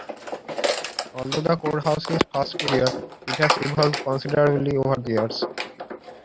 Although the core house is first period, it has evolved considerably over the years.